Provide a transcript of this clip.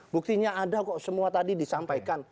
buktinya ada kok semua tadi disampaikan